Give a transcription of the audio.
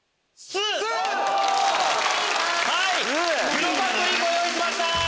黒パンプリンご用意しました！